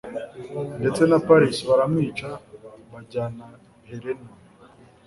ndetse na Paris baramwica bajyana Helena